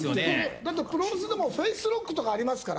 だって、プロレスでもフェイスロックとかありますから。